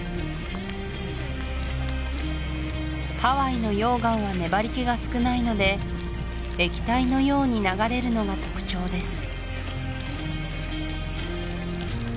ハワイの溶岩は粘りけが少ないので液体のように流れるのが特徴です